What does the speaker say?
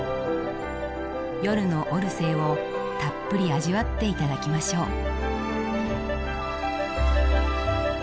夜のオルセーをたっぷり味わって頂きましょう。